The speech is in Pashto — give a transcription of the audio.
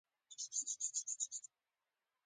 د باینسزا جګړه پایته رسېدلې وه.